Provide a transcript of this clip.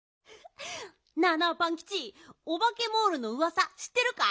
なあなあパンキチオバケモールのうわさしってるか？